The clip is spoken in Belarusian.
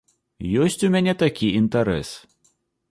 Ёсць у мяне такі інтарэс.